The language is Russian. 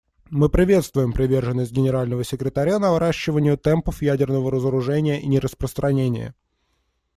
Мы приветствуем приверженность Генерального секретаря наращиванию темпов ядерного разоружения и нераспространения.